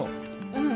うん。